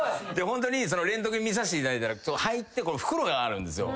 ホントにレントゲン見させていただいたら肺って袋があるんですよ。